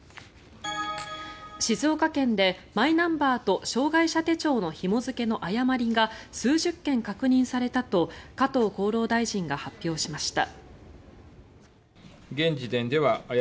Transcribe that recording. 静岡県でマイナンバーと障害者手帳のひも付けの誤りが数十件確認されたと加藤厚労大臣が発表しました。